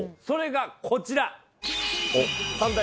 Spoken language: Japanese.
それがこちら。